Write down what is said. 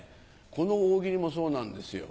この大喜利もそうなんですよ。